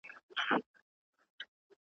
حکومت باید د عدالت لپاره کار وکړي.